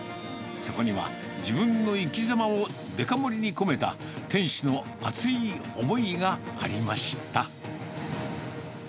そこには、自分の生きざまをデカ盛りに込めた、店主の熱い思いがありました。